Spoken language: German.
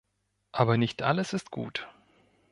Aber nicht alles ist gut.